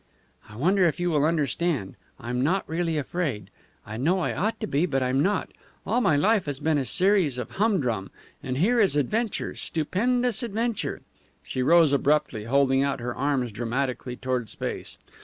"I wonder if you will understand. I'm not really afraid. I know I ought to be, but I'm not. All my life has been a series of humdrum and here is adventure, stupendous adventure!" She rose abruptly, holding out her arms dramatically toward space.